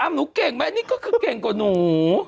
หนูเก่งไหมนี่ก็คือเก่งกว่าหนู